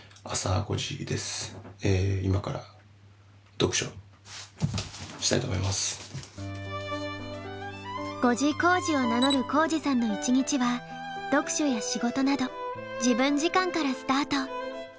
続いては「５時こーじ」を名乗る皓史さんの一日は読書や仕事など自分時間からスタート！